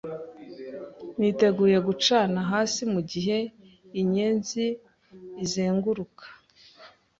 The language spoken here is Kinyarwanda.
Niteguye gucana hasi Mugihe inyenzi izenguruka